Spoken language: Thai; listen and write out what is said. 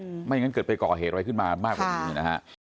ไม่งั้นเกิดไปก่อเหตุอะไรขึ้นมามากกว่านี้นะฮะ